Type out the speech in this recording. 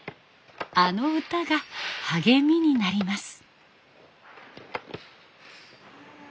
あの歌が励みになります。